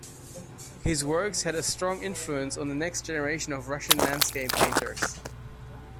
His works had a strong influence on the next generation of Russian landscape painters.